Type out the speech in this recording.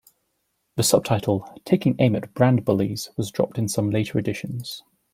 The subtitle, "Taking Aim at the Brand Bullies", was dropped in some later editions.